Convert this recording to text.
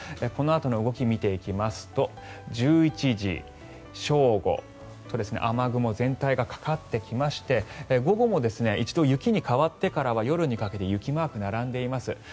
このあとの動きを見ていきますと１１時、正午と雨雲全体がかかってきまして午後も一度雪に変わってからは夜にかけて雪マークが並んでいます。